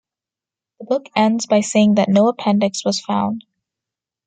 The book ends by saying that no appendix was found.